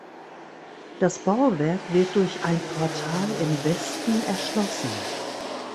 Das Bauwerk wird durch ein Portal im Westen erschlossen.